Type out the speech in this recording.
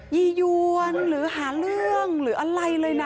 ี่ยวี่ยวนหรือหาเรื่องหรืออะไรเลยนะ